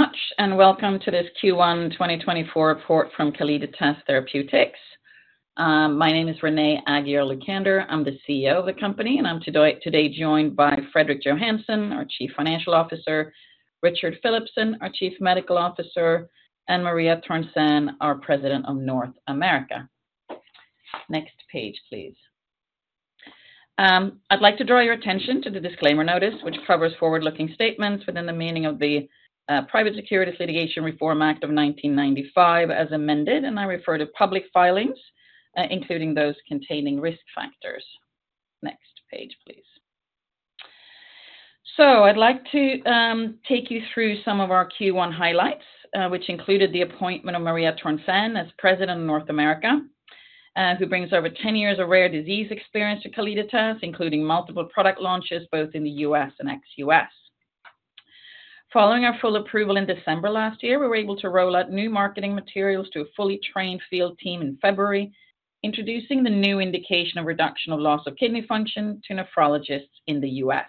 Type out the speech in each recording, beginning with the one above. much, and to this Q1 2024 report from Calliditas Therapeutics. My name is Renée Aguiar-Lucander. I'm the CEO of the company, and I'm today, today joined by Fredrik Johansson, our Chief Financial Officer, Richard Philipson, our Chief Medical Officer, and Maria Törnsén, our President of North America. Next page, please. I'd like to draw your attention to the disclaimer notice, which covers forward-looking statements within the meaning of the Private Securities Litigation Reform Act of 1995, as amended, and I refer to public filings, including those containing risk factors. Next page, please. I'd like to take you through some of our Q1 highlights, which included the appointment of Maria Törnsén as President of North America, who brings over 10 years of rare disease experience to Calliditas, including multiple product launches both in the US and ex-US. Following our full approval in December last year, we were able to roll out new marketing materials to a fully trained field team in February, introducing the new indication of reduction of loss of kidney function to nephrologists in the US.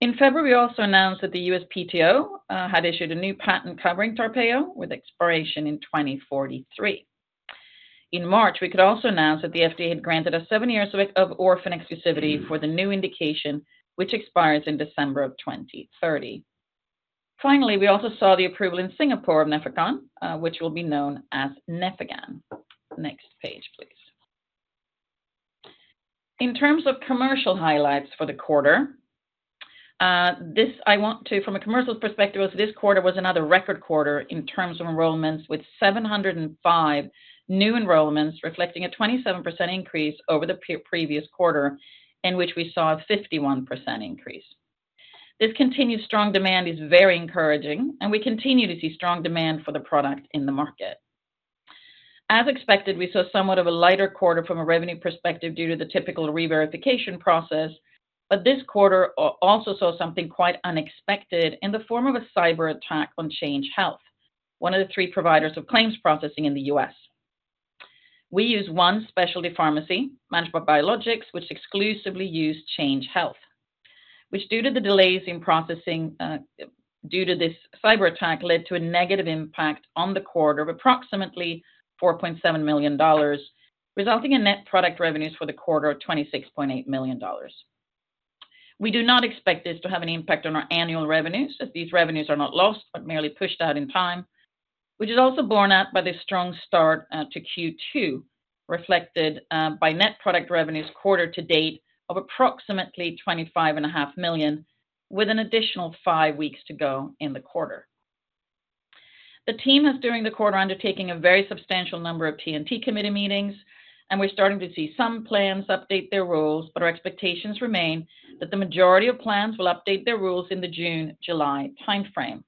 In February, we also announced that the USPTO had issued a new patent covering TARPEYO, with expiration in 2043. In March, we could also announce that the FDA had granted us seven years of orphan exclusivity for the new indication, which expires in December of 2030. Finally, we also saw the approval in Singapore of Nefecon, which will be known as Nefegan. Next page, please. In terms of commercial highlights for the quarter, this—I want to... From a commercial perspective, this quarter was another record quarter in terms of enrollments, with 705 new enrollments, reflecting a 27 increase over the pre-previous quarter, in which we saw a 51% increase. This continued strong demand is very encouraging, and we continue to see strong demand for the product in the market. As expected, we saw somewhat of a lighter quarter from a revenue perspective due to the typical reverification process, but this quarter also saw something quite unexpected in the form of a cyberattack on Change Healthcare, one of the three providers of claims processing in the U.S. We use one specialty pharmacy, Biologics by McKesson, which exclusively uses Change Healthcare, which due to the delays in processing, due to this cyberattack, led to a negative impact on the quarter of approximately $4.7 million, resulting in net product revenues for the quarter of $26.8 million. We do not expect this to have any impact on our annual revenues, as these revenues are not lost, but merely pushed out in time, which is also borne out by the strong start to Q2, reflected by net product revenues quarter to date of approximately $25.5 million, with an additional five weeks to go in the quarter. The team is, during the quarter, undertaking a very substantial number of P&T committee meetings, and we're starting to see some plans update their rules, but our expectations remain that the majority of plans will update their rules in the June-July timeframe.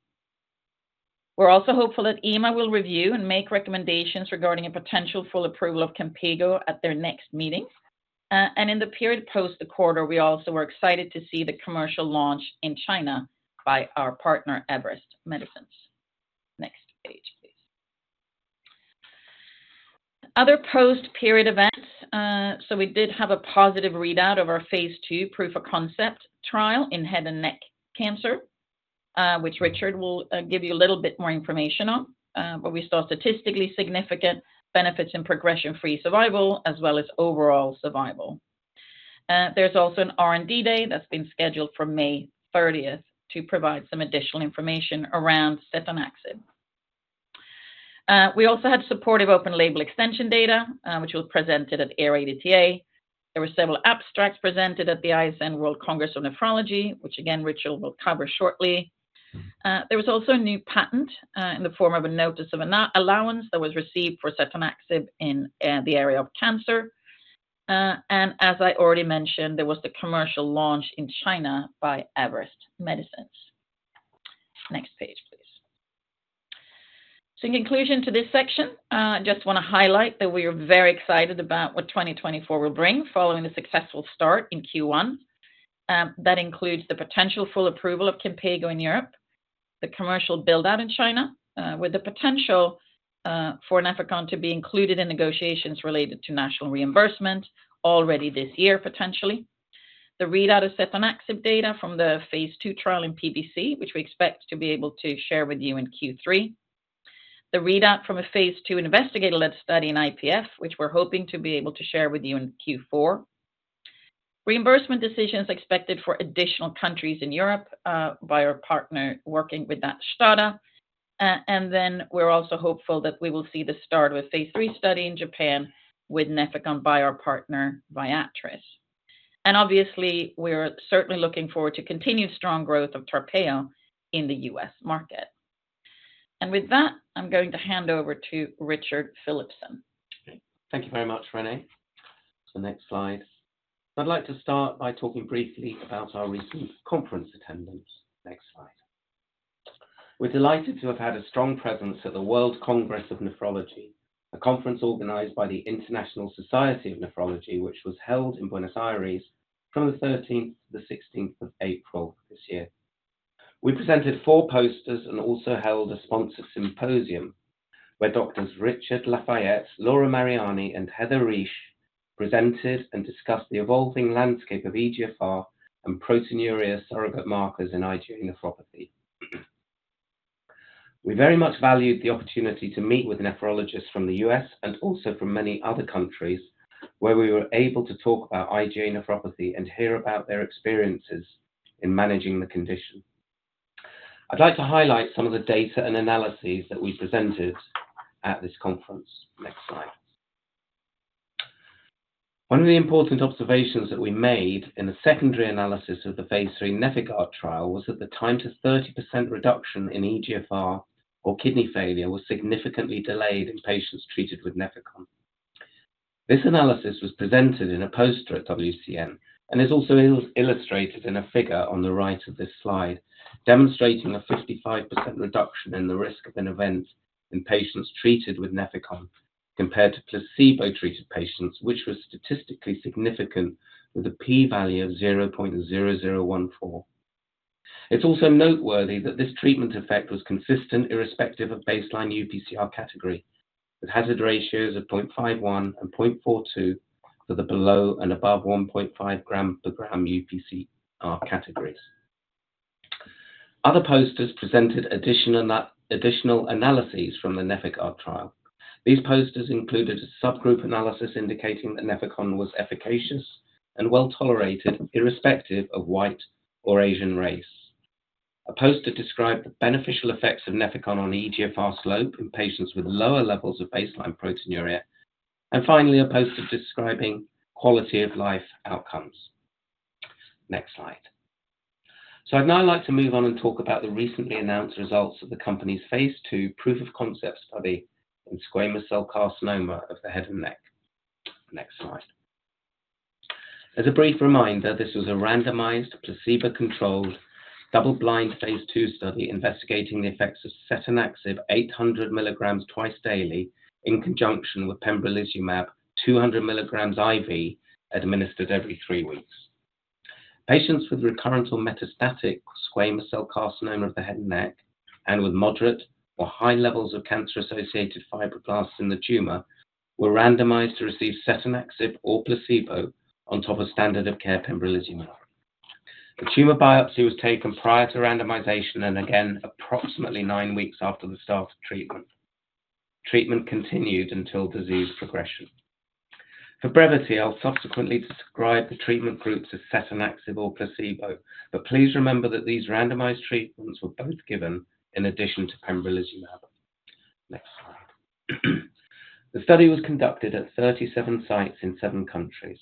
We're also hopeful that EMA will review and make recommendations regarding a potential full approval of Kinpeygo at their next meeting. In the period post the quarter, we also were excited to see the commercial launch in China by our partner, Everest Medicines. Next page, please. Other post-period events. We did have a positive readout of our phase 2 proof of concept trial in head and neck cancer, which Richard will give you a little bit more information on, but we saw statistically significant benefits in progression-free survival as well as overall survival. There's also an R&D day that's been scheduled for May 30 to provide some additional information around setanaxib. We also had supportive open label extension data, which was presented at ERA. There were several abstracts presented at the ISN World Congress of Nephrology, which, again, Richard will cover shortly. There was also a new patent, in the form of a notice of an allowance that was received for setanaxib in the area of cancer. And as I already mentioned, there was the commercial launch in China by Everest Medicines. Next page, please. So in conclusion to this section, just wanna highlight that we are very excited about what 2024 will bring following the successful start in Q1. That includes the potential full approval of Kinpeygo in Europe, the commercial build-out in China, with the potential for Nefecon to be included in negotiations related to national reimbursement already this year, potentially. The readout of setanaxib data from the phase 2 trial in PBC, which we expect to be able to share with you in Q3. The readout from a phase 2 investigator led study in IPF, which we're hoping to be able to share with you in Q4. Reimbursement decisions expected for additional countries in Europe by our partner working with that, Stada. And then we're also hopeful that we will see the start with phase 3 study in Japan, with Nefecon by our partner, Viatris. And obviously, we're certainly looking forward to continued strong growth of TARPEYO in the US market. And with that, I'm going to hand over to Richard Philipson. Thank you very much, Renée. So next slide. I'd like to start by talking briefly about our recent conference attendance. Next slide. We're delighted to have had a strong presence at the World Congress of Nephrology, a conference organized by the International Society of Nephrology, which was held in Buenos Aires from the thirteenth to the sixteenth of April this year. We presented four posters and also held a sponsored symposium, where Doctors Richard Lafayette, Laura Mariani, and Heather Reich presented and discussed the evolving landscape of eGFR and proteinuria surrogate markers in IgA nephropathy. We very much valued the opportunity to meet with nephrologists from the U.S. and also from many other countries, where we were able to talk about IgA nephropathy and hear about their experiences in managing the condition. I'd like to highlight some of the data and analyses that we presented at this conference. Next slide. One of the important observations that we made in the secondary analysis of the phase 3 NEPHIGARD trial was that the time to 30% reduction in eGFR or kidney failure was significantly delayed in patients treated with Nefecon. This analysis was presented in a poster at WCN and is also well-illustrated in a figure on the right of this slide, demonstrating a 55% reduction in the risk of an event in patients treated with Nefecon compared to placebo-treated patients, which was statistically significant with a p-value of 0.0014. It's also noteworthy that this treatment effect was consistent, irrespective of baseline uPCR category, with hazard ratios of 0.51 and 0.42 for the below and above 1.5 gram per gram uPCR categories. Other posters presented additional analyses from the NEPHIGARD trial. These posters included a subgroup analysis indicating that Nefecon was efficacious and well-tolerated, irrespective of White or Asian race. A poster described the beneficial effects of Nefecon on eGFR slope in patients with lower levels of baseline proteinuria, and finally, a poster describing quality of life outcomes. Next slide. So I'd now like to move on and talk about the recently announced results of the company's phase 2 proof of concept study in squamous cell carcinoma of the head and neck. Next slide. As a brief reminder, this was a randomized, placebo-controlled, double-blind phase 2 study investigating the effects of setanaxib 800 milligrams twice daily in conjunction with pembrolizumab, 200 milligrams IV, administered every 3 weeks. Patients with recurrent or metastatic squamous cell carcinoma of the head and the neck, and with moderate or high levels of cancer-associated fibroblasts in the tumor, were randomized to receive setanaxib or placebo on top of standard of care pembrolizumab. The tumor biopsy was taken prior to randomization and again, approximately nine weeks after the start of treatment. Treatment continued until disease progression. For brevity, I'll subsequently describe the treatment groups as setanaxib or placebo, but please remember that these randomized treatments were both given in addition to pembrolizumab. Next slide. The study was conducted at 37 sites in seven countries.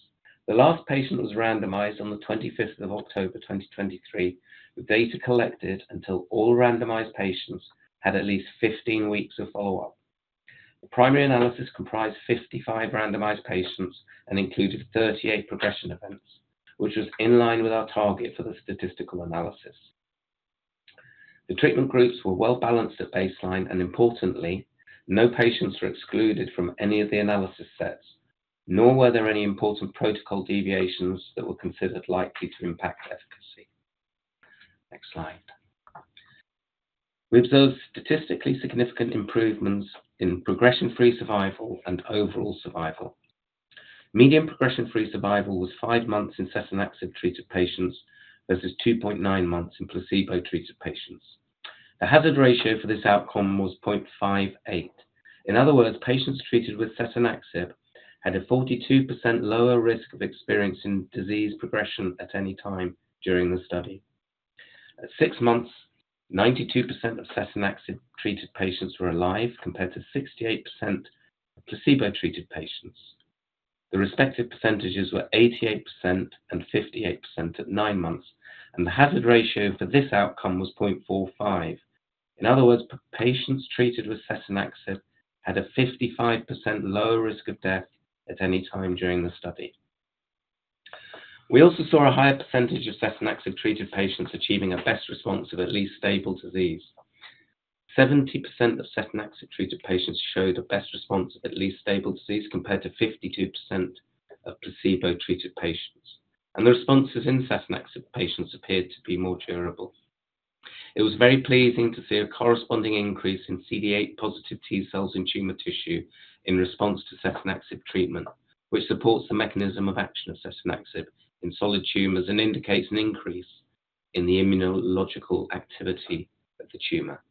The last patient was randomized on the 25th of October 2023, with data collected until all randomized patients had at least 15 weeks of follow-up. The primary analysis comprised 55 randomized patients and included 38 progression events, which was in line with our target for the statistical analysis. The treatment groups were well-balanced at baseline, and importantly, no patients were excluded from any of the analysis sets, nor were there any important protocol deviations that were considered likely to impact efficacy. Next slide. We observed statistically significant improvements in progression-free survival and overall survival. Median progression-free survival was 5 months in setanaxib-treated patients, versus 2.9 months in placebo-treated patients. The hazard ratio for this outcome was 0.58. In other words, patients treated with setanaxib had a 42% lower risk of experiencing disease progression at any time during the study. At 6 months, 92% of setanaxib-treated patients were alive, compared to 68% of placebo-treated patients. The respective percentages were 88% and 58% at 9 months, and the hazard ratio for this outcome was 0.45. In other words, patients treated with setanaxib had a 55% lower risk of death at any time during the study. We also saw a higher percentage of setanaxib-treated patients achieving a best response of at least stable disease. 70% of setanaxib-treated patients showed a best response of at least stable disease, compared to 52% of placebo-treated patients, and the responses in setanaxib patients appeared to be more durable. It was very pleasing to see a corresponding increase in CD8 positive T-cells in tumor tissue in response to setanaxib treatment, which supports the mechanism of action of setanaxib in solid tumors and indicates an increase in the immunological activity of the tumor.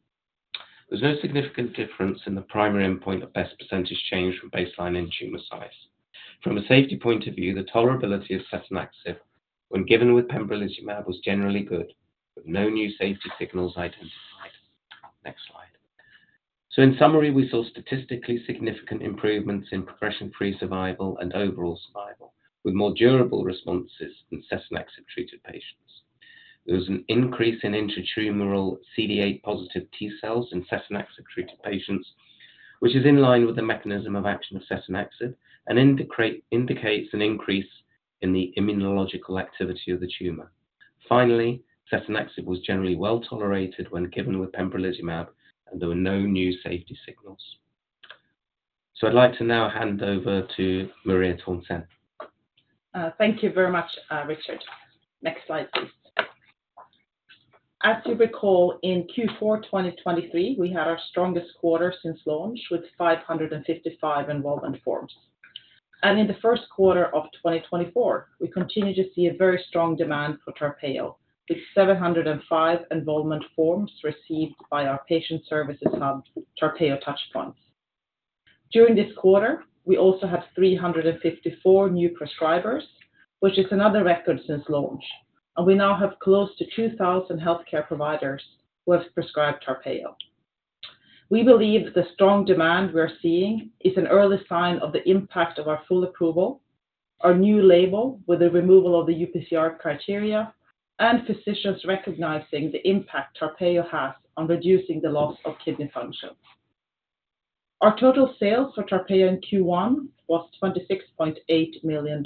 There was no significant difference in the primary endpoint of best percentage change from baseline in tumor size. From a safety point of view, the tolerability of setanaxib when given with pembrolizumab was generally good, with no new safety signals identified. Next slide. So in summary, we saw statistically significant improvements in progression-free survival and overall survival, with more durable responses in setanaxib-treated patients. There was an increase in intratumoral CD8 positive T-cells in setanaxib-treated patients, which is in line with the mechanism of action of setanaxib and indicates an increase in the immunological activity of the tumor. Finally, setanaxib was generally well-tolerated when given with pembrolizumab, and there were no new safety signals. So I'd like to now hand over to Maria Törnsén. Thank you very much, Richard. Next slide, please. As you recall, in Q4 2023, we had our strongest quarter since launch, with 555 enrollment forms. And in the first quarter of 2024, we continued to see a very strong demand for TARPEYO, with 705 enrollment forms received by our patient services hub, TARPEYO Touchpoints. During this quarter, we also have 354 new prescribers, which is another record since launch, and we now have close to 2,000 healthcare providers who have prescribed Tarpeyo. We believe the strong demand we're seeing is an early sign of the impact of our full approval, our new label, with the removal of the UPCR criteria, and physicians recognizing the impact Tarpeyo has on reducing the loss of kidney function. Our total sales for Tarpeyo in Q1 was $26.8 million.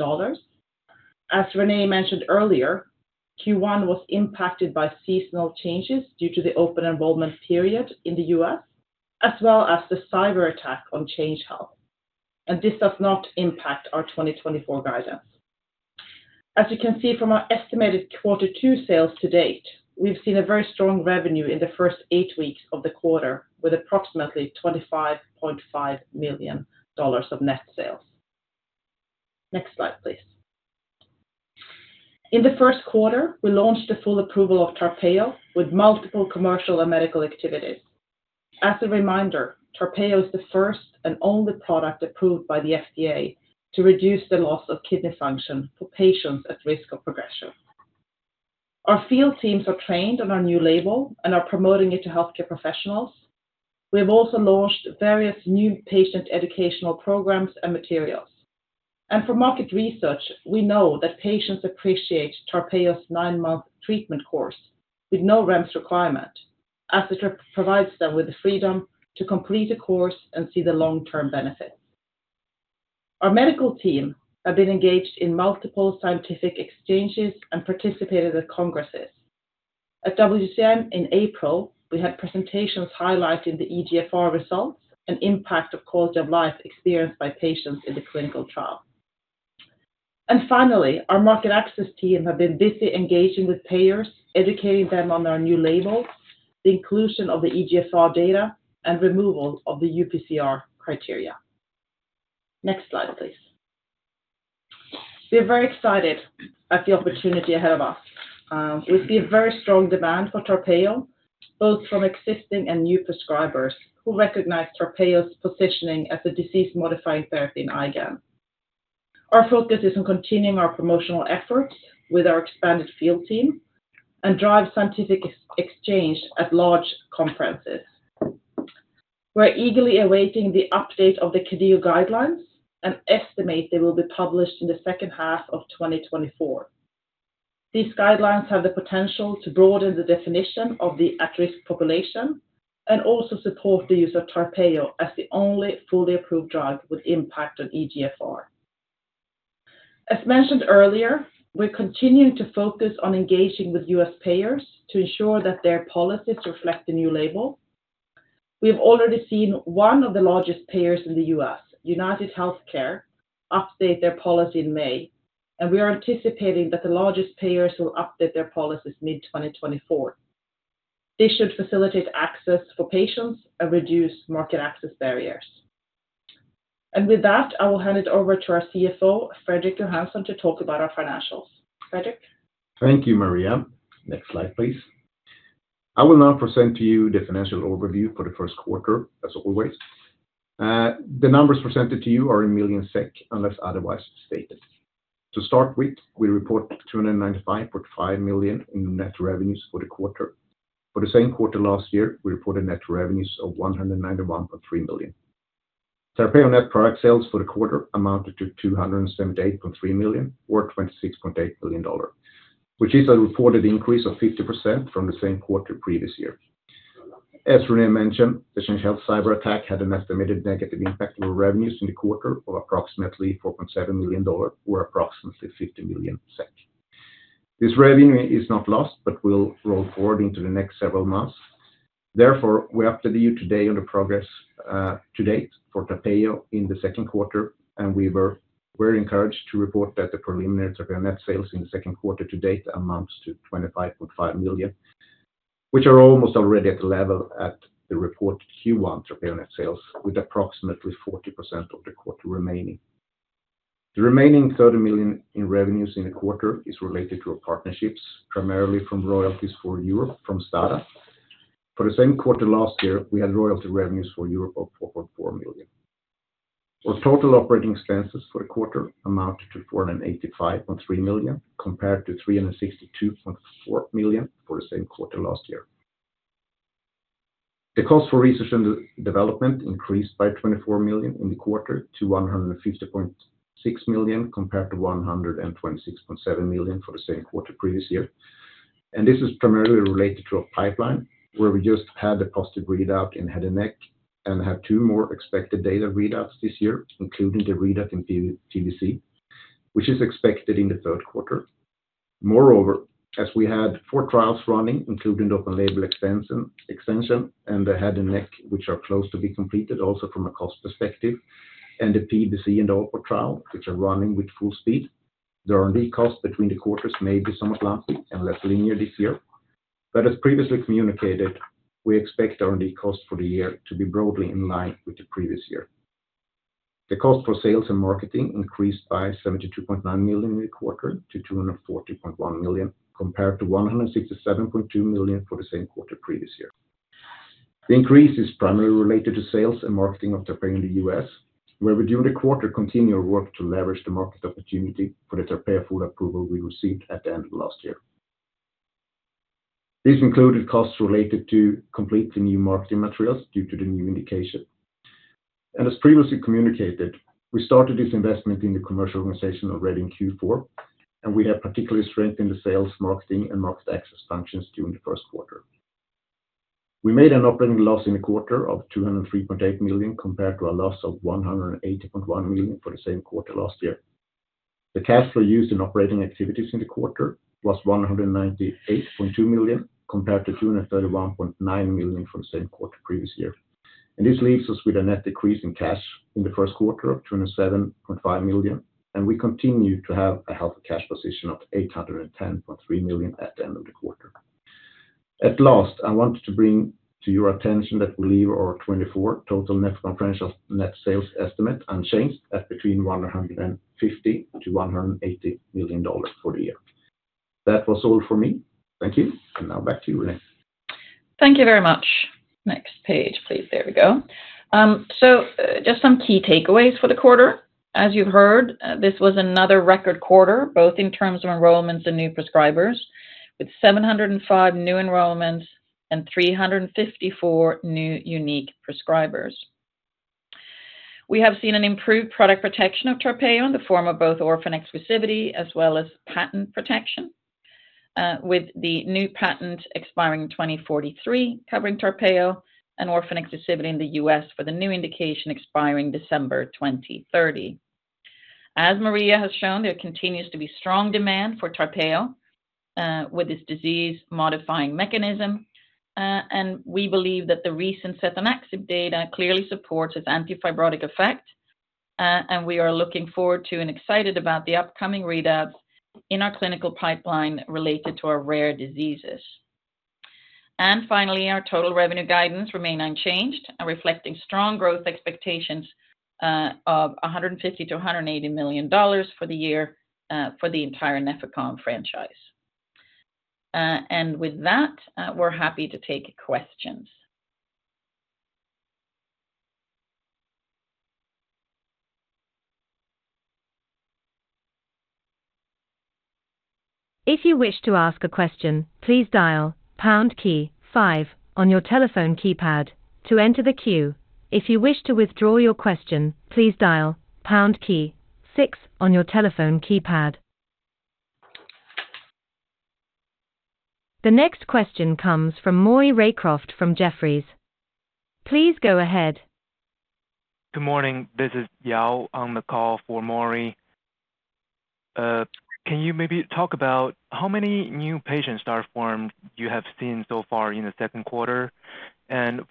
As Renée mentioned earlier, Q1 was impacted by seasonal changes due to the open enrollment period in the U.S., as well as the cyber attack on Change Healthcare, and this does not impact our 2024 guidance. As you can see from our estimated quarter two sales to date, we've seen a very strong revenue in the first 8 weeks of the quarter, with approximately $25.5 million of net sales. Next slide, please. In the first quarter, we launched the full approval of Tarpeyo with multiple commercial and medical activities. As a reminder, Tarpeyo is the first and only product approved by the FDA to reduce the loss of kidney function for patients at risk of progression. Our field teams are trained on our new label and are promoting it to healthcare professionals. We have also launched various new patient educational programs and materials. For market research, we know that patients appreciate Tarpeyo's 9-month treatment course with no REMS requirement, as it provides them with the freedom to complete a course and see the long-term benefits. Our medical team have been engaged in multiple scientific exchanges and participated at congresses. At WCN in April, we had presentations highlighting the eGFR results and impact of quality of life experienced by patients in the clinical trial. And finally, our market access team have been busy engaging with payers, educating them on our new label, the inclusion of the eGFR data, and removal of the uPCR criteria. Next slide, please. We're very excited at the opportunity ahead of us. We see a very strong demand for Tarpeyo, both from existing and new prescribers, who recognize Tarpeyo's positioning as a disease-modifying therapy in IgAN. Our focus is on continuing our promotional efforts with our expanded field team and drive scientific exchange at large conferences. We're eagerly awaiting the update of the KDOQI guidelines and estimate they will be published in the second half of 2024. These guidelines have the potential to broaden the definition of the at-risk population and also support the use of Tarpeyo as the only fully approved drug with impact on eGFR. As mentioned earlier, we're continuing to focus on engaging with US payers to ensure that their policies reflect the new label. We have already seen one of the largest payers in the US, UnitedHealthcare, update their policy in May, and we are anticipating that the largest payers will update their policies mid-2024. This should facilitate access for patients and reduce market access barriers. With that, I will hand it over to our CFO, Fredrik Johansson, to talk about our financials. Fredrik? Thank you, Maria. Next slide, please. I will now present to you the financial overview for the first quarter, as always. The numbers presented to you are in million SEK, unless otherwise stated. To start with, we report 295.5 million in net revenues for the quarter. For the same quarter last year, we reported net revenues of 191.3 million. Tarpeyo net product sales for the quarter amounted to 278.3 million or $26.8 million, which is a reported increase of 50% from the same quarter previous year. As Renée mentioned, the Change Healthcare cyber attack had an estimated negative impact on our revenues in the quarter of approximately SEK 4.7 million, or approximately 50 million. This revenue is not lost, but will roll forward into the next several months. Therefore, we update you today on the progress to date for Tarpeyo in the second quarter, and we were very encouraged to report that the preliminary Tarpeyo net sales in the second quarter to date amounts to 25.5 million, which are almost already at the level at the reported Q1 Tarpeyo net sales, with approximately 40% of the quarter remaining. The remaining 30 million in revenues in the quarter is related to our partnerships, primarily from royalties for Europe, from Stada. For the same quarter last year, we had royalty revenues for Europe of 4.4 million. Our total operating expenses for the quarter amounted to 485.3 million, compared to 362.4 million for the same quarter last year. The cost for research and development increased by 24 million in the quarter to 150.6 million, compared to 126.7 million for the same quarter previous year. This is primarily related to our pipeline, where we just had a positive readout in head and neck and have two more expected data readouts this year, including the readout in PVC, which is expected in the third quarter. Moreover, as we had four trials running, including the open label extension, and the head and neck, which are close to be completed, also from a cost perspective, and the PVC and Airport trial, which are running with full speed. The R&D cost between the quarters may be somewhat lumpy and less linear this year, but as previously communicated, we expect R&D costs for the year to be broadly in line with the previous year. The cost for sales and marketing increased by 72.9 million in the quarter to 240.1 million, compared to 167.2 million for the same quarter previous year. The increase is primarily related to sales and marketing of the brand in the US, where we, during the quarter, continued our work to leverage the market opportunity for the Tarpeyo full approval we received at the end of last year. This included costs related to completely new marketing materials due to the new indication. As previously communicated, we started this investment in the commercial organization already in Q4, and we have particularly strengthened the sales, marketing, and market access functions during the first quarter. We made an operating loss in the quarter of 203.8 million, compared to a loss of 180.1 million for the same quarter last year. The cash flow used in operating activities in the quarter was 198.2 million, compared to 231.9 million from the same quarter previous year. This leaves us with a net decrease in cash in the first quarter of 207.5 million, and we continue to have a healthy cash position of 810.3 million at the end of the quarter. At last, I wanted to bring to your attention that we leave our 2024 total net confidential net sales estimate unchanged at between $150 million-$180 million for the year. That was all for me. Thank you. Now back to you, Renée. Thank you very much. Next page, please. There we go. So, just some key takeaways for the quarter. As you've heard, this was another record quarter, both in terms of enrollments and new prescribers, with 705 new enrollments and 354 new unique prescribers. We have seen an improved product protection of Tarpeyo in the form of both orphan exclusivity as well as patent protection, with the new patent expiring in 2043, covering Tarpeyo and orphan exclusivity in the U.S. for the new indication expiring December 2030. As Maria has shown, there continues to be strong demand for Tarpeyo, with this disease-modifying mechanism, and we believe that the recent setanaxib data clearly supports its antifibrotic effect, and we are looking forward to and excited about the upcoming readouts in our clinical pipeline related to our rare diseases. Finally, our total revenue guidance remain unchanged and reflecting strong growth expectations of $150 million-$180 million for the year for the entire Nefecon franchise. And with that, we're happy to take questions. If you wish to ask a question, please dial pound key five on your telephone keypad to enter the queue. If you wish to withdraw your question, please dial pound key six on your telephone keypad. The next question comes from Maury Raycroft from Jefferies. Please go ahead. Good morning. This is Yao on the call for Maury. Can you maybe talk about how many new patients Tarpeyo you have seen so far in the second quarter?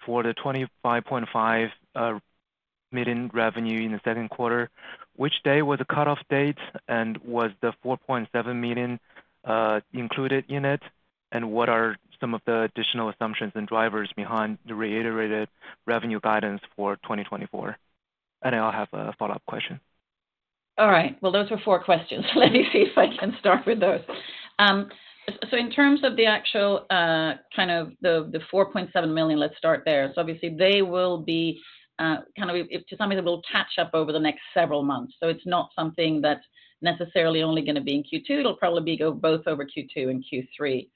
For the 25.5 million revenue in the second quarter, which day was the cutoff date, and was the 4.7 million included in it? What are some of the additional assumptions and drivers behind the reiterated revenue guidance for 2024? I'll have a follow-up question. All right. Well, those were four questions. Let me see if I can start with those. So in terms of the actual, kind of the, the 4.7 million, let's start there. So obviously, they will be, kind of—it's something that will catch up over the next several months. So it's not something that's necessarily only going to be in Q2. It'll probably be go both over Q2 and Q3.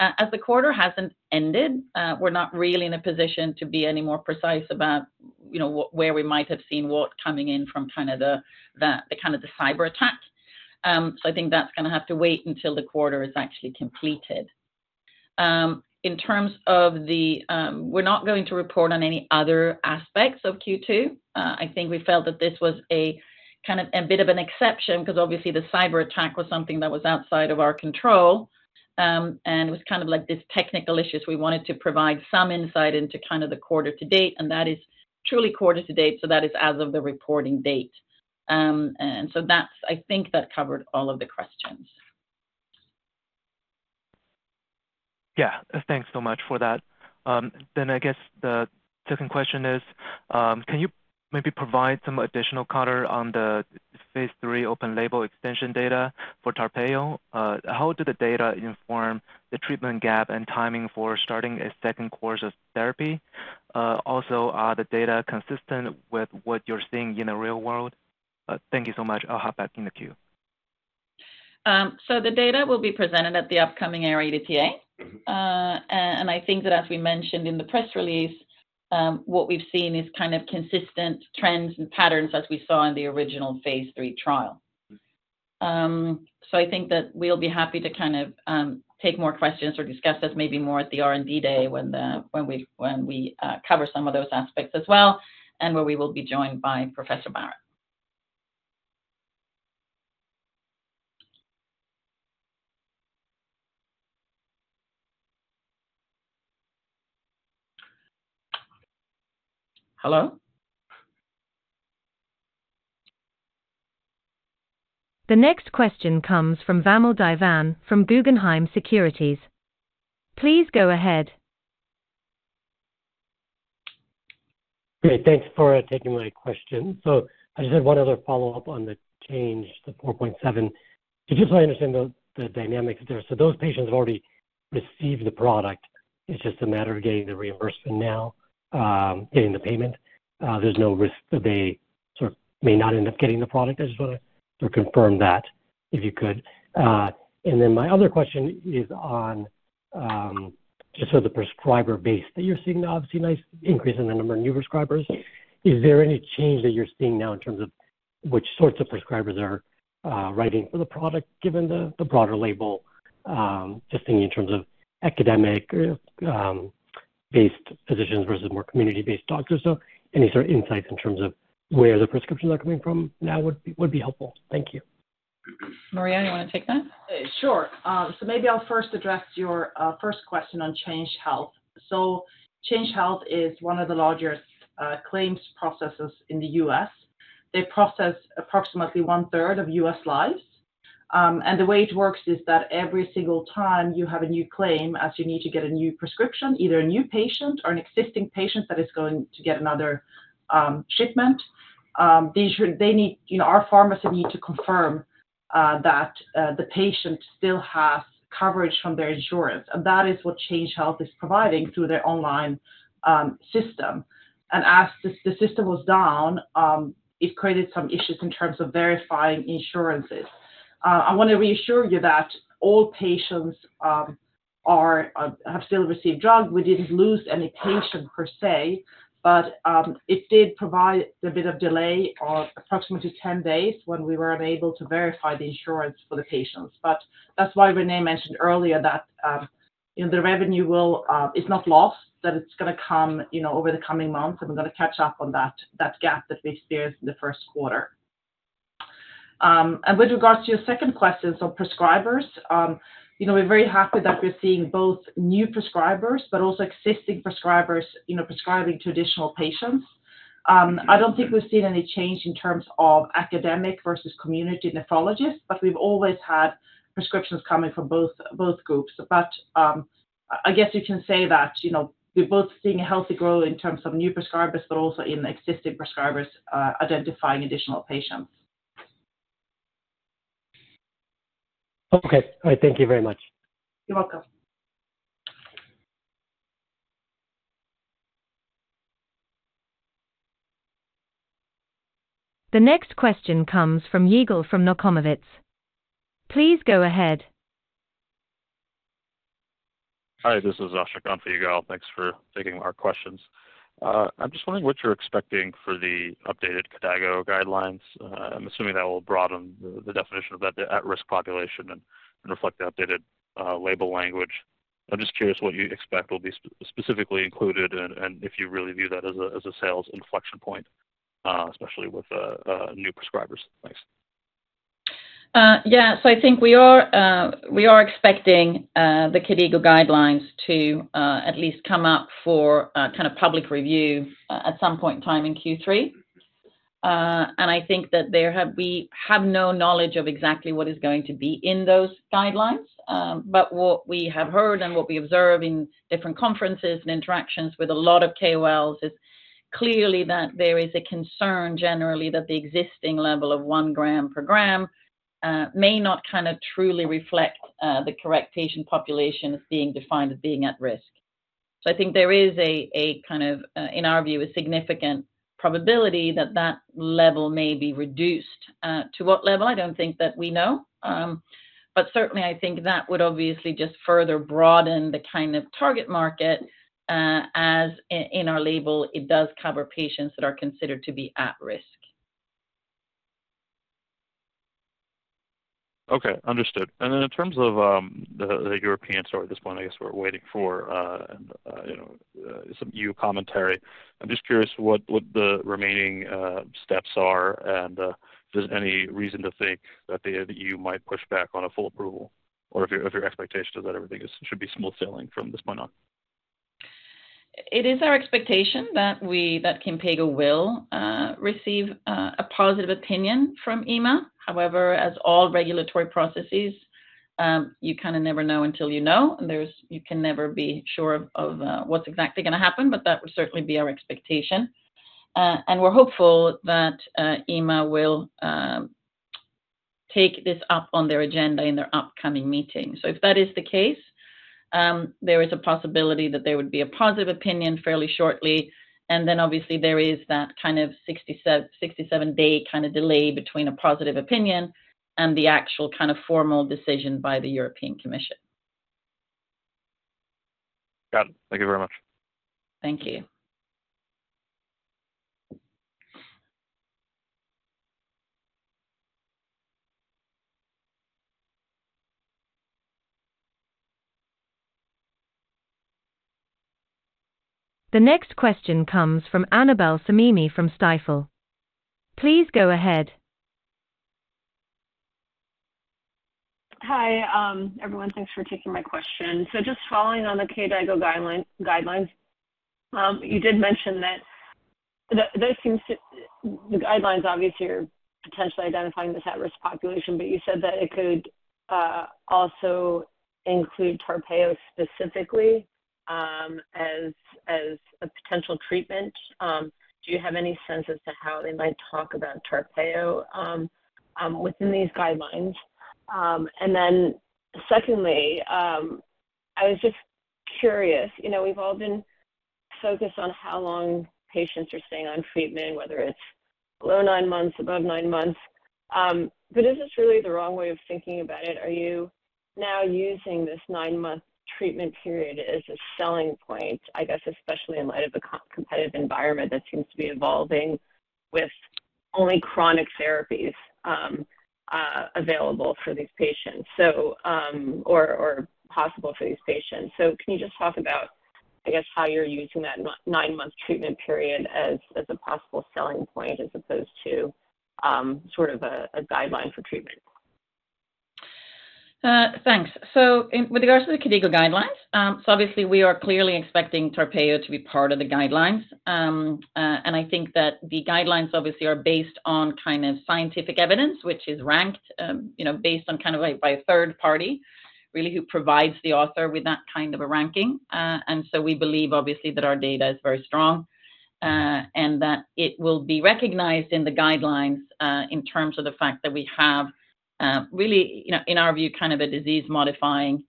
As the quarter hasn't ended, we're not really in a position to be any more precise about, you know, where we might have seen what coming in from kind of the, the, the kind of the cyberattack. So I think that's going to have to wait until the quarter is actually completed. In terms of the... We're not going to report on any other aspects of Q2. I think we felt that this was a kind of a bit of an exception, because obviously, the cyberattack was something that was outside of our control, and it was kind of like this technical issue. So we wanted to provide some insight into kind of the quarter to date, and that is truly quarter to date, so that is as of the reporting date. And so that's. I think that covered all of the questions. Yeah. Thanks so much for that. Then I guess the second question is, can you maybe provide some additional color on the phase 3 open label extension data for TARPEYO? How do the data inform the treatment gap and timing for starting a second course of therapy? Also, are the data consistent with what you're seeing in the real world? Thank you so much. I'll hop back in the queue. So the data will be presented at the upcoming ERA-EDTA. Mm-hmm. I think that as we mentioned in the press release, what we've seen is kind of consistent trends and patterns as we saw in the original phase three trial. So I think that we'll be happy to kind of take more questions or discuss this maybe more at the R&D day when we cover some of those aspects as well, and where we will be joined by Professor Barrett. ... Hello? The next question comes from Vamil Divan from Guggenheim Securities. Please go ahead. Great. Thanks for taking my question. So I just had one other follow-up on the Change, the $4.7. To just so I understand the dynamics there. So those patients have already received the product, it's just a matter of getting the reimbursement now, getting the payment. There's no risk that they sort of may not end up getting the product. I just want to confirm that, if you could. And then my other question is on, just so the prescriber base that you're seeing obviously a nice increase in the number of new prescribers. Is there any change that you're seeing now in terms of which sorts of prescribers are writing for the product, given the broader label, just in terms of academic based physicians versus more community-based doctors? Any sort of insights in terms of where the prescriptions are coming from now would be helpful. Thank you. Maria, you want to take that? Sure. So maybe I'll first address your first question on Change Healthcare. So Change Healthcare is one of the largest claims processes in the U.S. They process approximately one-third of U.S. lives. And the way it works is that every single time you have a new claim, as you need to get a new prescription, either a new patient or an existing patient that is going to get another shipment, they need, you know, our pharmacy need to confirm that the patient still has coverage from their insurance. And that is what Change Healthcare is providing through their online system. And as the system was down, it created some issues in terms of verifying insurances. I want to reassure you that all patients have still received drug. We didn't lose any patient per se, but it did provide a bit of delay of approximately 10 days when we were unable to verify the insurance for the patients. But that's why Renée mentioned earlier that, you know, the revenue is not lost, that it's going to come, you know, over the coming months, and we're going to catch up on that gap that we experienced in the first quarter. With regards to your second question, so prescribers, you know, we're very happy that we're seeing both new prescribers but also existing prescribers, you know, prescribing to additional patients. I don't think we've seen any change in terms of academic versus community nephrologists, but we've always had prescriptions coming from both groups. I guess you can say that, you know, we're both seeing a healthy growth in terms of new prescribers, but also in existing prescribers identifying additional patients. Okay. All right. Thank you very much. You're welcome. The next question comes from Yigal Nochomovitz. Please go ahead. Hi, this is Ashkan for Yigal Thanks for taking our questions. I'm just wondering what you're expecting for the updated KDIGO guidelines. I'm assuming that will broaden the definition of that at-risk population and reflect the updated label language. I'm just curious what you expect will be specifically included and if you really view that as a sales inflection point, especially with the new prescribers. Thanks. Yeah. So I think we are expecting the KDIGO guidelines to at least come up for kind of public review at some point in time in Q3. And I think that we have no knowledge of exactly what is going to be in those guidelines, but what we have heard and what we observe in different conferences and interactions with a lot of KOLs is clearly that there is a concern, generally, that the existing level of one gram per gram may not kind of truly reflect the correct patient population as being defined as being at risk. So I think there is a kind of, in our view, a significant probability that that level may be reduced. To what level? I don't think that we know. Certainly, I think that would obviously just further broaden the kind of target market, as in our label, it does cover patients that are considered to be at risk. Okay, understood. Then in terms of the European story, at this point, I guess we're waiting for you know some new commentary. I'm just curious what the remaining steps are, and if there's any reason to think that the EU might push back on a full approval, or if your expectation is that everything should be smooth sailing from this point on. It is our expectation that we, that Kinpeygo will receive a positive opinion from EMA. However, as all regulatory processes, you kind of never know until you know, and there's, you can never be sure of what's exactly going to happen, but that would certainly be our expectation. And we're hopeful that EMA will take this up on their agenda in their upcoming meeting. So if that is the case, there is a possibility that there would be a positive opinion fairly shortly. And then obviously there is that kind of 67-day kind of delay between a positive opinion and the actual kind of formal decision by the European Commission. Got it. Thank you very much. Thank you. The next question comes from Annabel Samimy from Stifel. Please go ahead. Hi, everyone, thanks for taking my question. So just following on the KDOQI guidelines, you did mention that those seem to the guidelines, obviously, are potentially identifying this at-risk population, but you said that it could also include Tarpeyo specifically, as a potential treatment. Do you have any sense as to how they might talk about Tarpeyo within these guidelines? And then secondly, I was just curious, you know, we've all been focused on how long patients are staying on treatment, whether it's below nine months, above nine months, but is this really the wrong way of thinking about it? Are you now using this nine-month treatment period as a selling point, I guess, especially in light of the competitive environment that seems to be evolving with only chronic therapies available for these patients, or possible for these patients? Can you just talk about, I guess, how you're using that nine-month treatment period as a possible selling point as opposed to sort of a guideline for treatment? Thanks. With regards to the KDOQI guidelines, so obviously we are clearly expecting Tarpeyo to be part of the guidelines. And I think that the guidelines obviously are based on kind of scientific evidence, which is ranked, you know, based on kind of like by a third party, really, who provides the author with that kind of a ranking. And so we believe, obviously, that our data is very strong, and that it will be recognized in the guidelines, in terms of the fact that we have, really, you know, in our view, kind of a disease-modifying,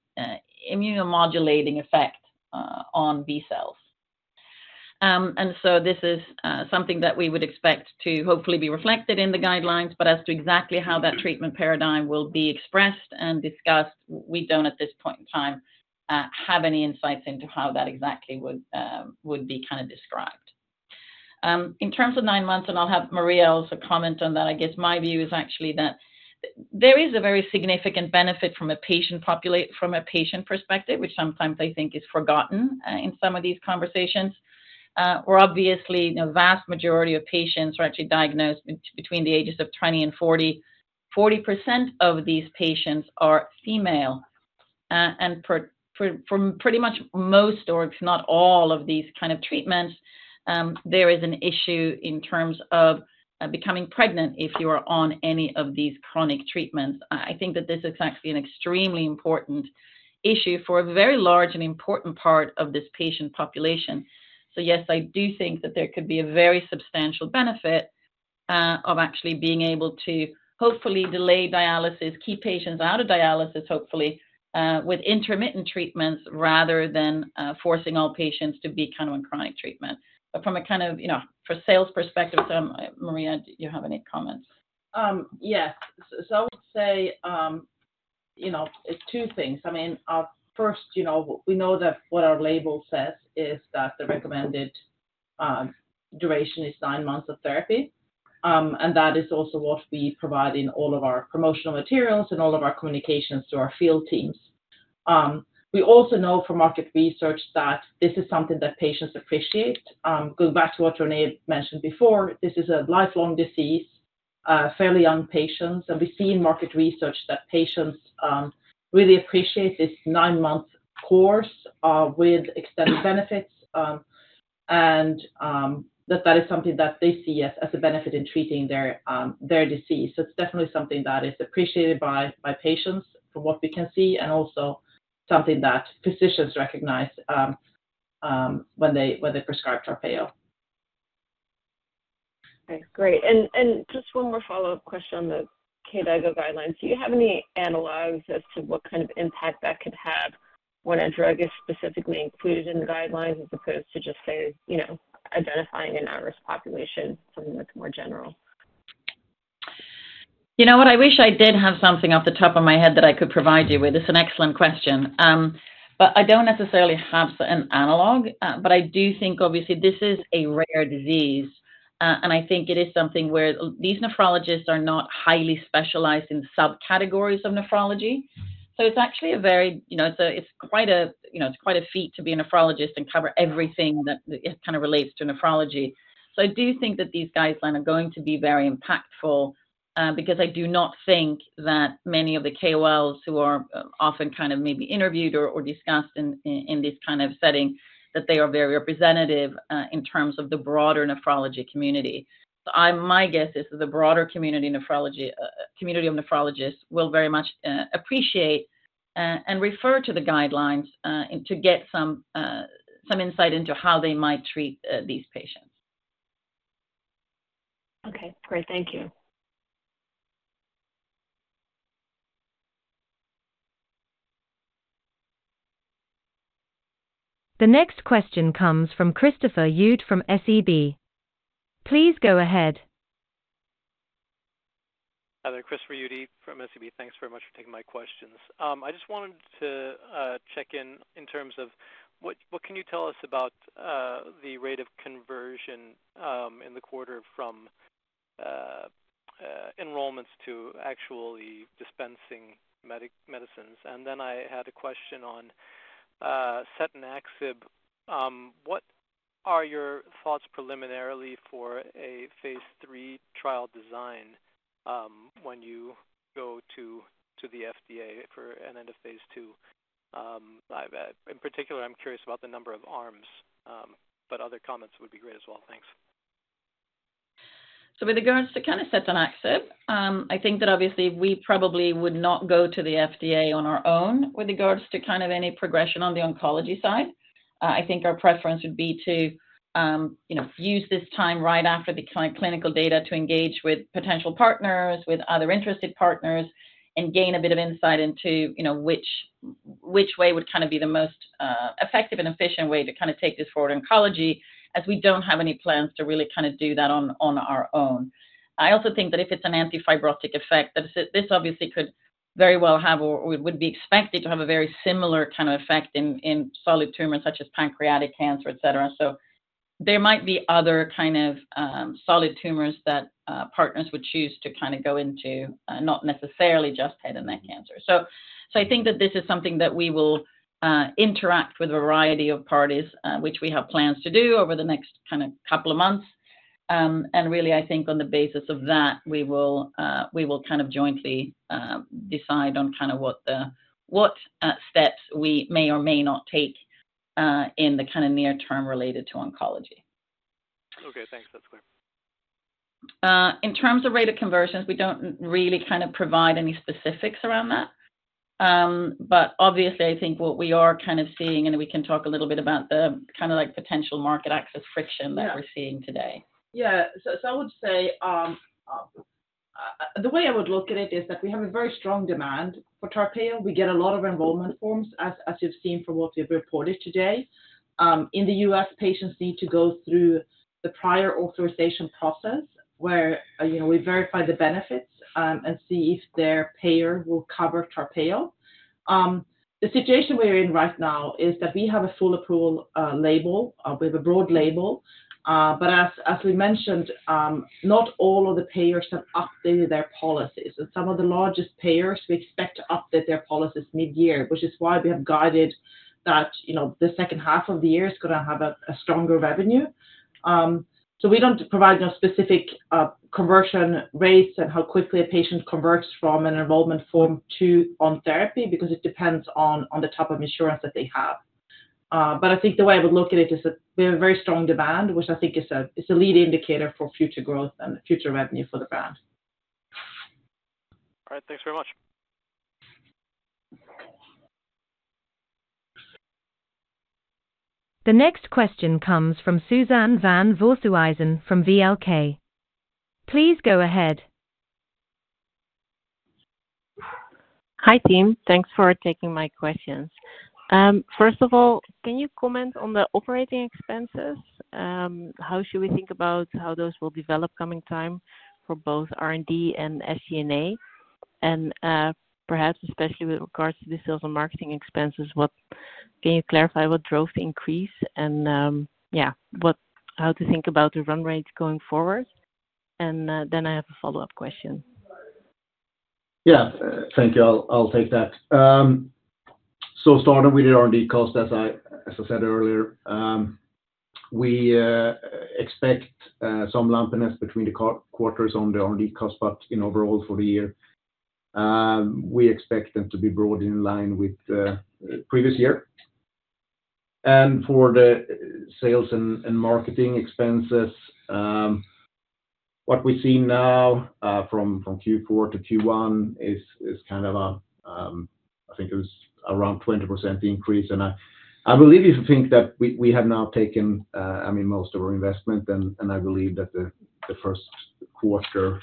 immunomodulating effect on B-cells. And so this is something that we would expect to hopefully be reflected in the guidelines, but as to exactly how that treatment paradigm will be expressed and discussed, we don't, at this point in time, have any insights into how that exactly would be kind of described. In terms of 9 months, and I'll have Maria also comment on that, I guess my view is actually that there is a very significant benefit from a patient perspective, which sometimes I think is forgotten in some of these conversations. Where obviously, the vast majority of patients are actually diagnosed between the ages of 20 and 40. 40% of these patients are female, and for, from pretty much most or if not all of these kind of treatments, there is an issue in terms of becoming pregnant if you are on any of these chronic treatments. I think that this is actually an extremely important issue for a very large and important part of this patient population. So yes, I do think that there could be a very substantial benefit of actually being able to hopefully delay dialysis, keep patients out of dialysis, hopefully, with intermittent treatments, rather than forcing all patients to be kind of on chronic treatment. But from a kind of, you know, for sales perspective, so, Maria, do you have any comments? Yes. So I would say, you know, it's two things. I mean, first, you know, we know that what our label says is that the recommended duration is nine months of therapy, and that is also what we provide in all of our promotional materials and all of our communications to our field teams. We also know from market research that this is something that patients appreciate. Going back to what Renée mentioned before, this is a lifelong disease, fairly young patients, and we see in market research that patients really appreciate this nine-month course, with extended benefits, and that that is something that they see as, as a benefit in treating their their disease. So it's definitely something that is appreciated by patients from what we can see, and also something that physicians recognize when they prescribe Tarpeyo. Okay, great. And just one more follow-up question on the KDOQI guidelines. Do you have any analogs as to what kind of impact that could have when a drug is specifically included in the guidelines, as opposed to just say, you know, identifying an at-risk population, something that's more general? You know what? I wish I did have something off the top of my head that I could provide you with. It's an excellent question. But I don't necessarily have an analog, but I do think obviously this is a rare disease, and I think it is something where these nephrologists are not highly specialized in subcategories of nephrology. So it's actually a very, you know, it's a, it's quite a, you know, it's quite a feat to be a nephrologist and cover everything that kind of relates to nephrology. So I do think that these guidelines are going to be very impactful, because I do not think that many of the KOLs who are often kind of maybe interviewed or, or discussed in, in this kind of setting, that they are very representative, in terms of the broader nephrology community. So, my guess is the broader community nephrology community of nephrologists will very much appreciate and refer to the guidelines and to get some insight into how they might treat these patients. Okay, great. Thank you. The next question comes from Christopher Uhde from SEB. Please go ahead. Hi there, Christopher Uhde from SEB. Thanks very much for taking my questions. I just wanted to check in, in terms of what, what can you tell us about the rate of conversion in the quarter from enrollments to actually dispensing medicines? And then I had a question on setanaxib, what are your thoughts preliminarily for a phase three trial design when you go to the FDA for an end of phase two live ad? In particular, I'm curious about the number of arms, but other comments would be great as well. Thanks. So with regards to kind of setanaxib, I think that obviously we probably would not go to the FDA on our own with regards to kind of any progression on the oncology side. I think our preference would be to, you know, use this time right after the kind of clinical data to engage with potential partners, with other interested partners, and gain a bit of insight into, you know, which, which way would kind of be the most, effective and efficient way to kind of take this forward oncology, as we don't have any plans to really kind of do that on, on our own. I also think that if it's an anti-fibrotic effect, that this obviously could very well have or, or would be expected to have a very similar kind of effect in, in solid tumors, such as pancreatic cancer, et cetera. So there might be other kind of solid tumors that partners would choose to kind of go into, not necessarily just head and neck cancer. So I think that this is something that we will interact with a variety of parties, which we have plans to do over the next kind of couple of months. And really, I think on the basis of that, we will kind of jointly decide on kind of what steps we may or may not take, in the kind of near term related to oncology. Okay, thanks. That's clear. In terms of rate of conversions, we don't really kind of provide any specifics around that. But obviously, I think what we are kind of seeing, and we can talk a little bit about the kind of like potential market access friction- Yeah that we're seeing today. Yeah. So I would say the way I would look at it is that we have a very strong demand for Tarpeyo. We get a lot of enrollment forms, as you've seen from what we've reported today. In the US, patients need to go through the prior authorization process, where, you know, we verify the benefits and see if their payer will cover Tarpeyo. The situation we're in right now is that we have a full approval label with a broad label. But as we mentioned, not all of the payers have updated their policies. And some of the largest payers, we expect to update their policies mid-year, which is why we have guided that, you know, the second half of the year is going to have a stronger revenue. So we don't provide no specific conversion rates and how quickly a patient converts from an enrollment form to on therapy, because it depends on the type of insurance that they have. But I think the way I would look at it is that we have a very strong demand, which I think is a lead indicator for future growth and future revenue for the brand. All right. Thanks very much. The next question comes from Suzanne van Voorthuizen from VLK. Please go ahead. Hi, team. Thanks for taking my questions. First of all, can you comment on the operating expenses? How should we think about how those will develop coming time for both R&D and SG&A? And, perhaps, especially with regards to the sales and marketing expenses, can you clarify what drove the increase and, how to think about the run rate going forward? And, then I have a follow-up question. Yeah, thank you. I'll, I'll take that. So starting with the R&D cost, as I, as I said earlier, we expect some lumpiness between the quarters on the R&D cost, but, you know, overall for the year, we expect them to be broad in line with the previous year. And for the sales and marketing expenses, what we see now from Q4 to Q1 is kind of a, I think it was around 20% increase. And I believe you think that we have now taken, I mean, most of our investment, and I believe that the first quarter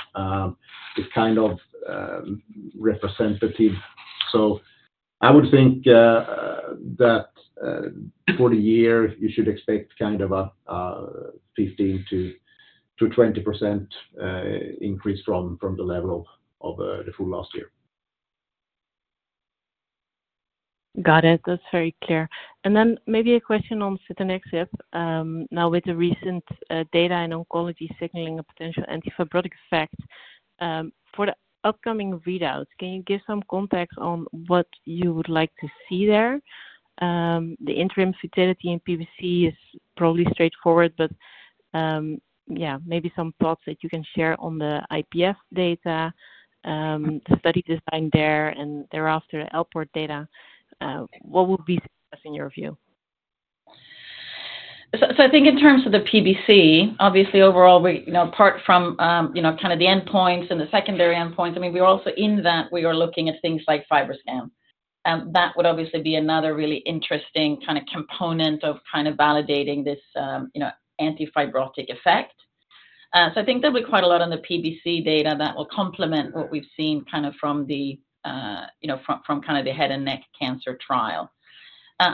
is kind of representative. I would think that for the year, you should expect kind of a 15%-20% increase from the level of the full last year. Got it. That's very clear. And then maybe a question on setanaxib. Now with the recent data in oncology signaling a potential anti-fibrotic effect, for the upcoming readouts, can you give some context on what you would like to see there? The interim futility in PBC is probably straightforward, but, yeah, maybe some thoughts that you can share on the IPF data, the study design there, and thereafter, the Alport data, what would be success in your view? So, I think in terms of the PBC, obviously overall, we, you know, apart from, you know, kind of the endpoints and the secondary endpoints, I mean, we're also in that we are looking at things like FibroScan. That would obviously be another really interesting kind of component of kind of validating this, you know, anti-fibrotic effect. So I think there'll be quite a lot on the PBC data that will complement what we've seen kind of from the, you know, from, from kind of the head and neck cancer trial.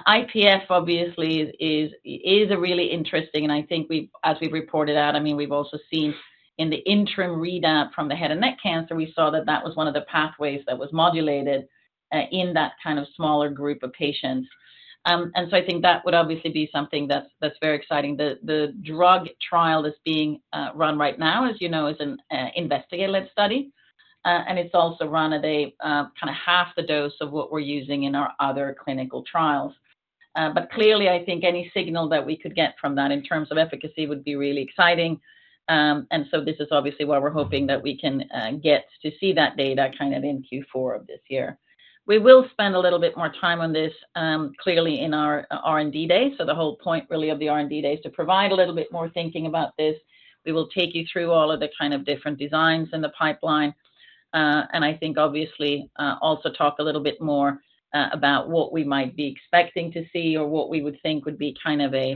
IPF obviously is a really interesting, and I think we've—as we've reported out, I mean, we've also seen in the interim readout from the head and neck cancer, we saw that that was one of the pathways that was modulated, in that kind of smaller group of patients. And so I think that would obviously be something that's very exciting. The drug trial that's being run right now, as you know, is an investigative study, and it's also run at a kind of half the dose of what we're using in our other clinical trials. But clearly, I think any signal that we could get from that in terms of efficacy would be really exciting. And so this is obviously why we're hoping that we can get to see that data kind of in Q4 of this year. We will spend a little bit more time on this, clearly in our R&D day. So the whole point really of the R&D day is to provide a little bit more thinking about this. We will take you through all of the kind of different designs in the pipeline, and I think obviously, also talk a little bit more about what we might be expecting to see or what we would think would be kind of a,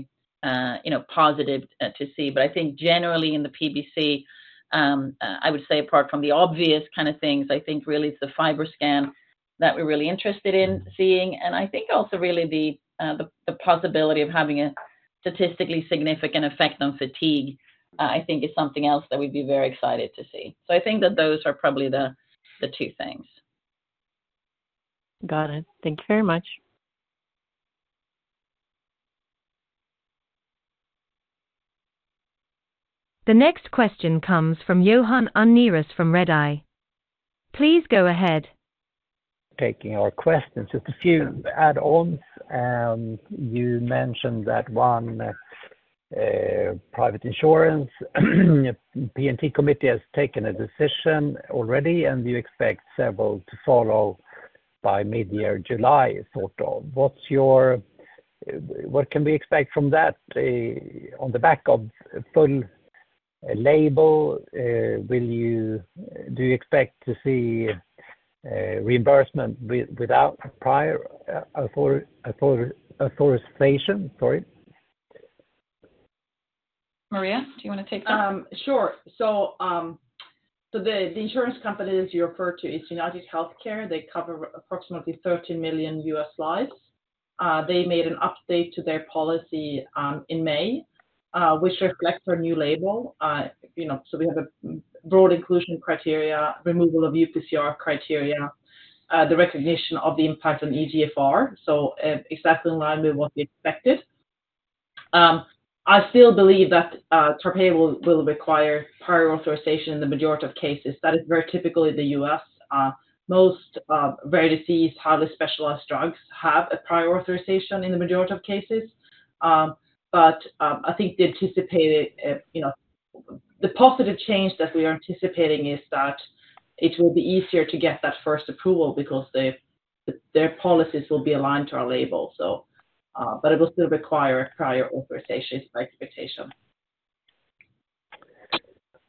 you know, positive to see. But I think generally in the PBC, I would say apart from the obvious kind of things, I think really it's the FibroScan that we're really interested in seeing. And I think also really the, the possibility of having a statistically significant effect on fatigue, I think is something else that we'd be very excited to see. So I think that those are probably the, the two things. Got it. Thank you very much. The next question comes from Johan Unnerus from Redeye. Please go ahead. Taking our questions, just a few add-ons. You mentioned that one private insurance PNT committee has taken a decision already, and you expect several to follow by mid-year, July, sort of. What can we expect from that on the back of full label? Do you expect to see reimbursement with without prior authorization? Sorry. Maria, do you want to take that? Sure. So, the insurance company, as you refer to, it's UnitedHealthcare. They cover approximately 13 million U.S. lives. They made an update to their policy in May, which reflects our new label. You know, we have a broad inclusion criteria, removal of UPCR criteria, the recognition of the impact on eGFR. So, exactly in line with what we expected. I still believe that Tarpeyo will require prior authorization in the majority of cases. That is very typical of the U.S. Most rare disease, highly specialized drugs have a prior authorization in the majority of cases. But I think the anticipated, you know, the positive change that we are anticipating is that it will be easier to get that first approval because their policies will be aligned to our label. So, but it will still require prior authorization by expectation.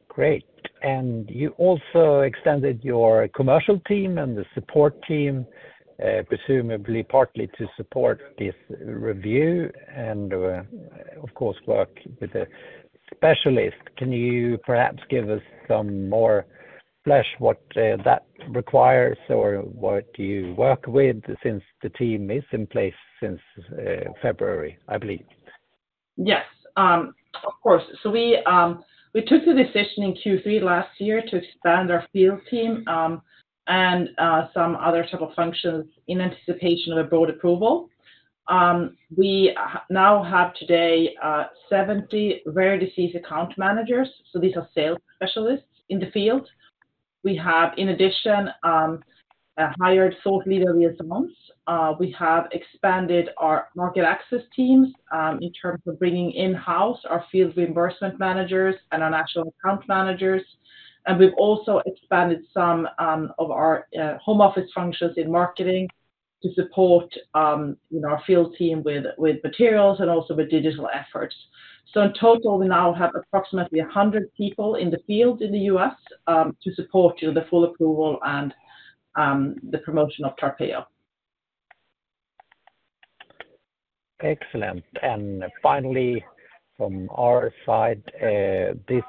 Great. And you also extended your commercial team and the support team, presumably partly to support this review and, of course, work with a specialist. Can you perhaps give us some more flesh, what, that requires or what do you work with since the team is in place since February, I believe? Yes, of course. So we took the decision in Q3 last year to expand our field team, and some other type of functions in anticipation of a broad approval. We now have today 70 rare disease account managers, so these are sales specialists in the field. We have, in addition, hired thought leader liaisons. We have expanded our market access teams, in terms of bringing in-house our field reimbursement managers and our national account managers. And we've also expanded some of our home office functions in marketing to support, you know, our field team with materials and also with digital efforts. So in total, we now have approximately 100 people in the field in the US, to support the full approval and the promotion of Tarpeyo. Excellent. And finally, from our side, this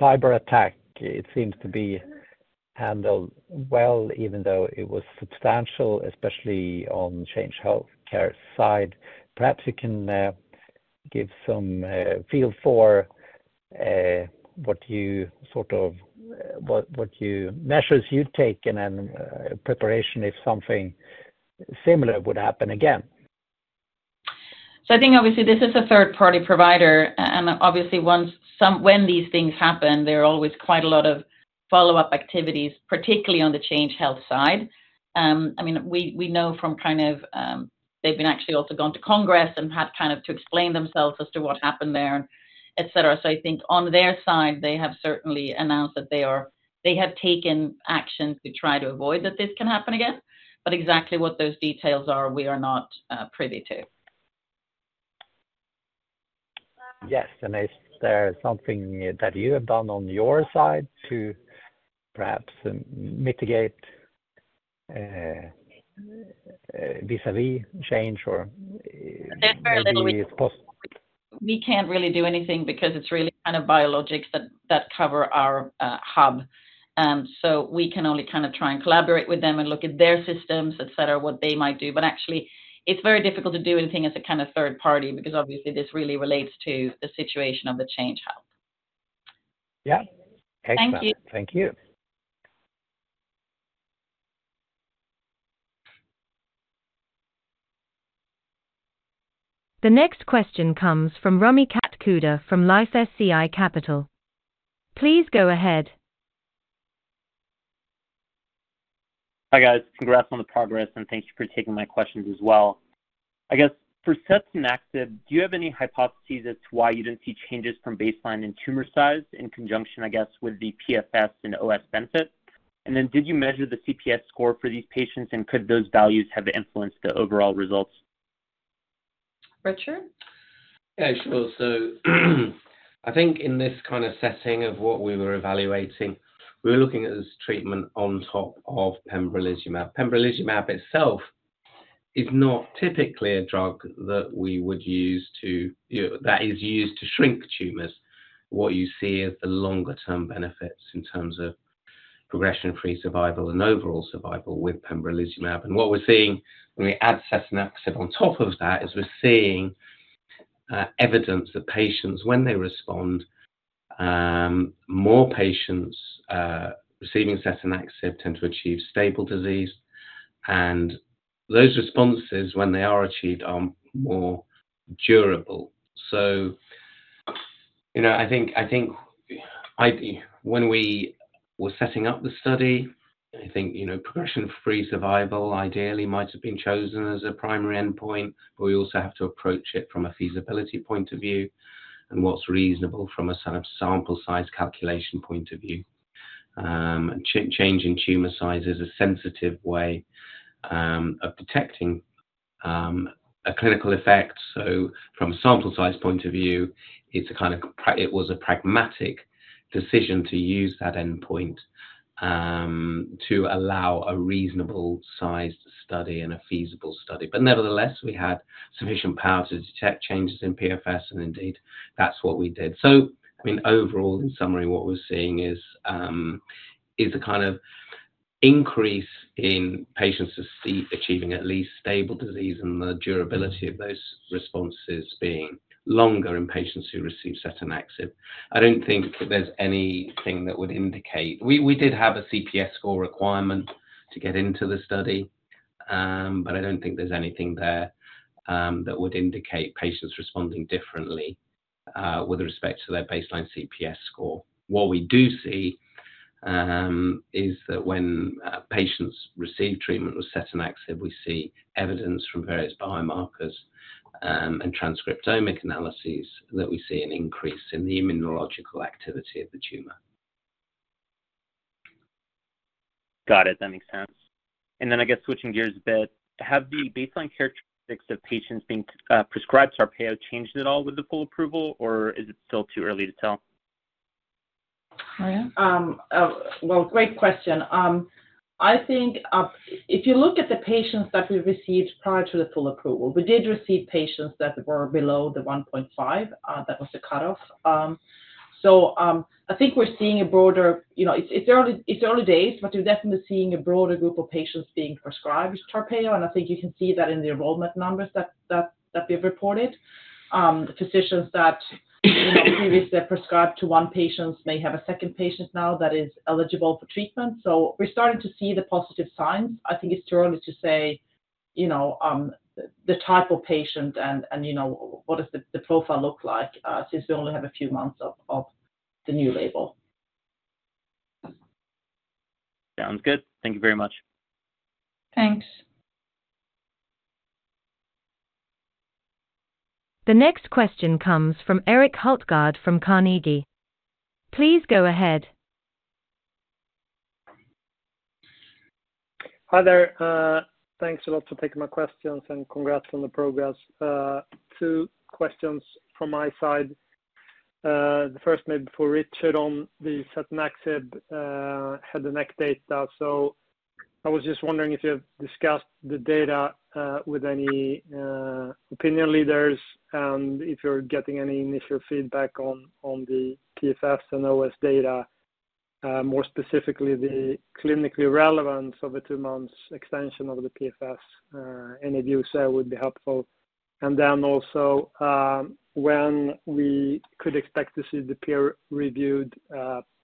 cyberattack, it seems to be handled well, even though it was substantial, especially on Change Healthcare side. Perhaps you can give some feel for what you sort of—what measures you've taken and preparation if something similar would happen again. So I think obviously this is a third-party provider, and obviously once when these things happen, there are always quite a lot of follow-up activities, particularly on the Change Healthcare side. I mean, we know from kind of, they've been actually also gone to Congress and had kind of to explain themselves as to what happened there, et cetera. So I think on their side, they have certainly announced that they have taken actions to try to avoid that this can happen again, but exactly what those details are, we are not privy to. Yes, and is there something that you have done on your side to perhaps mitigate vis-à-vis Change or? There's very little we... If possible. We can't really do anything because it's really kind of Biologics that cover our hub. So we can only kind of try and collaborate with them and look at their systems, et cetera, what they might do. But actually, it's very difficult to do anything as a kind of third party, because obviously, this really relates to the situation of the Change Healthcare. Yeah. Excellent. Thank you. Thank you. The next question comes from Rami Katkhuda from LifeSci Capital. Please go ahead.... Hi, guys. Congrats on the progress, and thank you for taking my questions as well. I guess for setanaxib, do you have any hypotheses as to why you didn't see changes from baseline in tumor size in conjunction, I guess, with the PFS and OS benefit? And then, did you measure the CPS score for these patients, and could those values have influenced the overall results? Richard? Yeah, sure. So, I think in this kind of setting of what we were evaluating, we were looking at this treatment on top of pembrolizumab. Pembrolizumab itself is not typically a drug that we would use to, you know, that is used to shrink tumors. What you see is the longer-term benefits in terms of progression-free survival and overall survival with pembrolizumab. And what we're seeing when we add setanaxib on top of that, is we're seeing, evidence that patients, when they respond, more patients, receiving setanaxib tend to achieve stable disease. And those responses, when they are achieved, are more durable. So, you know, I think when we were setting up the study, I think, you know, progression-free survival ideally might have been chosen as a primary endpoint, but we also have to approach it from a feasibility point of view and what's reasonable from a sort of sample size calculation point of view. Changing tumor size is a sensitive way of detecting a clinical effect. So from a sample size point of view, it was a pragmatic decision to use that endpoint to allow a reasonable sized study and a feasible study. But nevertheless, we had sufficient power to detect changes in PFS, and indeed, that's what we did. So I mean, overall, in summary, what we're seeing is, is a kind of increase in patients achieving at least stable disease and the durability of those responses being longer in patients who receive setanaxib. I don't think that there's anything that would indicate... We did have a CPS score requirement to get into the study, but I don't think there's anything there, that would indicate patients responding differently, with respect to their baseline CPS score. What we do see, is that when patients receive treatment with setanaxib, we see evidence from various biomarkers, and transcriptomic analyses, that we see an increase in the immunological activity of the tumor. Got it. That makes sense. And then, I guess switching gears a bit, have the baseline characteristics of patients being prescribed Tarpeyo changed at all with the full approval, or is it still too early to tell? Maria? Well, great question. I think, if you look at the patients that we received prior to the full approval, we did receive patients that were below the 1.5, that was the cutoff. So, I think we're seeing a broader... You know, it's early days, but we're definitely seeing a broader group of patients being prescribed Tarpeyo, and I think you can see that in the enrollment numbers that we've reported. Physicians that, you know, previously prescribed to one patient may have a second patient now that is eligible for treatment. So we're starting to see the positive signs. I think it's too early to say, you know, the type of patient and, you know, what is the profile look like, since we only have a few months of the new label. Sounds good. Thank you very much. Thanks. The next question comes from Erik Hultgård from Carnegie. Please go ahead. Hi there. Thanks a lot for taking my questions, and congrats on the progress. 2 questions from my side. The first maybe for Richard on the setanaxib head and neck data. So I was just wondering if you have discussed the data with any opinion leaders, and if you're getting any initial feedback on the PFS and OS data, more specifically, the clinical relevance of the 2-month extension of the PFS. Any view there would be helpful. Then also, when we could expect to see the peer-reviewed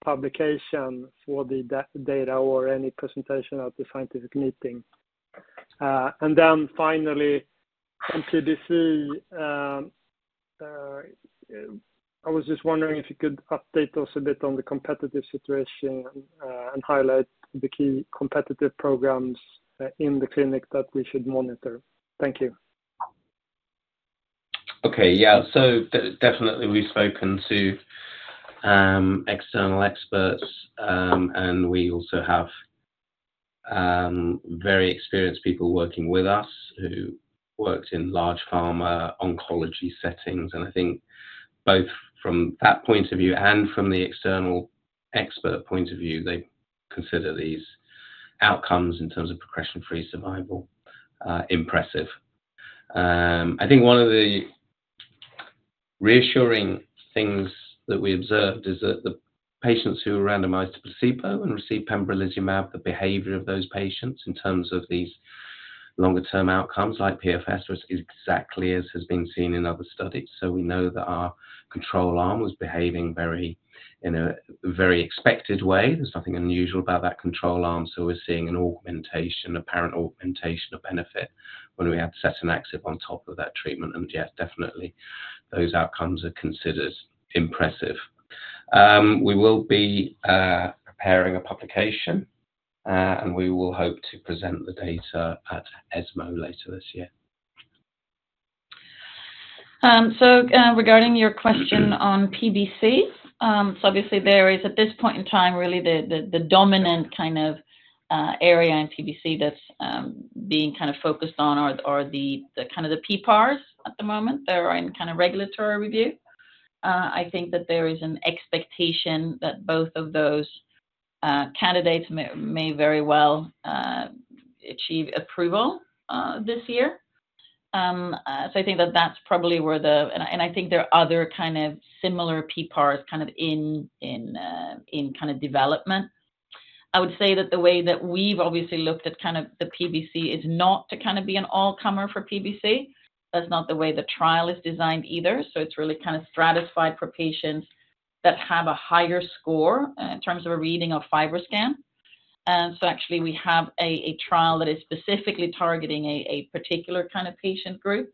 publication for the data or any presentation at the scientific meeting? Then finally, on CDC, I was just wondering if you could update us a bit on the competitive situation, and highlight the key competitive programs in the clinic that we should monitor. Thank you. Okay. Yeah. So definitely we've spoken to external experts, and we also have very experienced people working with us who worked in large pharma oncology settings. And I think both from that point of view and from the external expert point of view, they consider these outcomes in terms of progression-free survival impressive. I think one of the reassuring things that we observed is that the patients who were randomized to placebo and received pembrolizumab, the behavior of those patients in terms of these longer-term outcomes, like PFS, was exactly as has been seen in other studies. So we know that our control arm was behaving very, in a very expected way. There's nothing unusual about that control arm, so we're seeing an augmentation, apparent augmentation of benefit when we add setanaxib on top of that treatment. And yes, definitely, those outcomes are considered impressive.... We will be preparing a publication, and we will hope to present the data at ESMO later this year. So, regarding your question on PBC, so obviously there is, at this point in time, really the dominant kind of area in PBC that's being kind of focused on are the PPARs at the moment. They're in kind of regulatory review. I think that there is an expectation that both of those candidates may very well achieve approval this year. So I think that that's probably where the... And I think there are other kind of similar PPARs kind of in development. I would say that the way that we've obviously looked at kind of the PBC is not to kind of be an all-comer for PBC. That's not the way the trial is designed either. So it's really kind of stratified for patients that have a higher score in terms of a reading of FibroScan. And so actually, we have a trial that is specifically targeting a particular kind of patient group.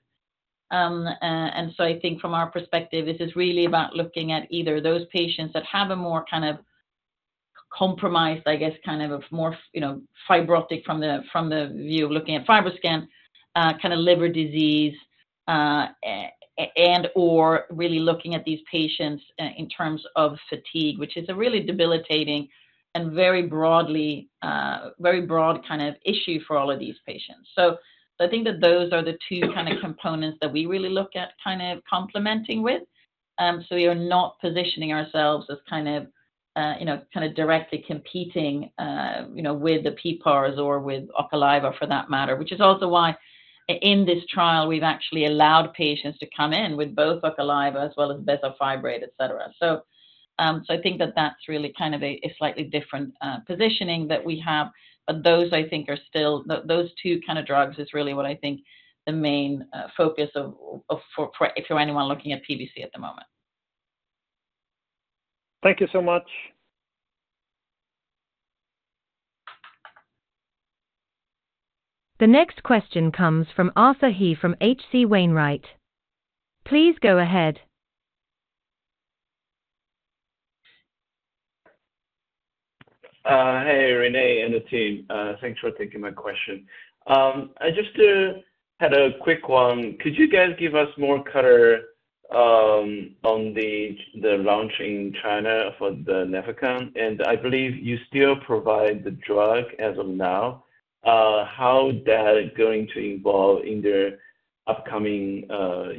And so I think from our perspective, this is really about looking at either those patients that have a more kind of compromised, I guess, kind of a more, you know, fibrotic from the view of looking at FibroScan kind of liver disease, and/or really looking at these patients in terms of fatigue, which is a really debilitating and very broad kind of issue for all of these patients. So I think that those are the two kind of components that we really look at kind of complementing with. So we are not positioning ourselves as kind of, you know, kind of directly competing, you know, with the PPARs or with Ocaliva for that matter. Which is also why in this trial, we've actually allowed patients to come in with both Ocaliva as well as bezafibrate, et cetera. So, so I think that that's really kind of a, a slightly different, positioning that we have. But those, I think, are still... Those two kind of drugs is really what I think the main, focus of, of, for, for-- if you're anyone looking at PBC at the moment. Thank you so much. The next question comes from Arthur He from H.C. Wainwright. Please go ahead. Hey, Renée and the team. Thanks for taking my question. I just had a quick one. Could you guys give us more color on the launch in China for the Nefecon? And I believe you still provide the drug as of now. How is that going to evolve in the upcoming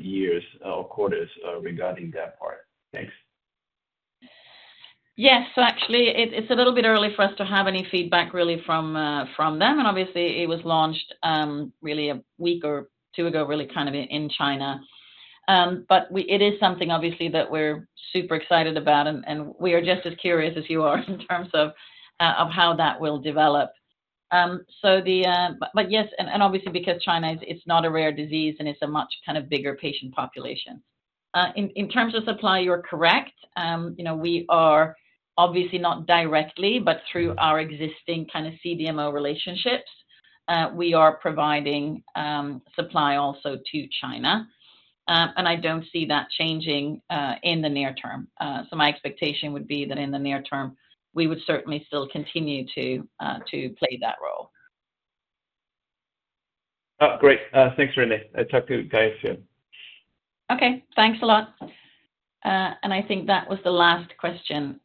years or quarters regarding that part? Thanks. Yes. So actually, it's a little bit early for us to have any feedback really from them, and obviously, it was launched really a week or two ago, really, kind of in China. But it is something obviously that we're super excited about, and we are just as curious as you are in terms of how that will develop. So the... But yes, and obviously, because China, it's not a rare disease, and it's a much kind of bigger patient population. In terms of supply, you're correct. You know, we are obviously not directly, but through our existing kind of CDMO relationships, we are providing supply also to China. And I don't see that changing in the near term. My expectation would be that in the near term, we would certainly still continue to play that role. Oh, great. Thanks, Renée. I'll talk to you guys soon. Okay, thanks a lot. I think that was the last question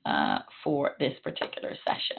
for this particular session.